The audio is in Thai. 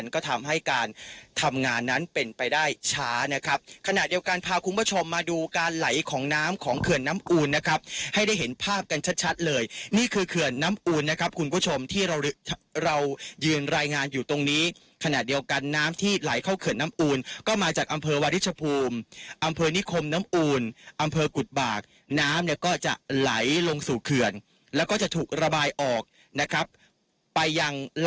ของน้ำของเขื่อนน้ำอุ่นนะครับให้ได้เห็นภาพกันชัดชัดเลยนี่คือเขื่อนน้ำอุ่นนะครับคุณผู้ชมที่เราเรายืนรายงานอยู่ตรงนี้ขณะเดียวกันน้ำที่ไหลเข้าเขื่อนน้ำอุ่นก็มาจากอำเภอวริชภูมิอำเภอนิคมน้ำอุ่นอำเภอกุฎบากน้ำเนี่ยก็จะไหลลงสู่เขื่อนแล้วก็จะถูกระบายออกนะครับไปยัง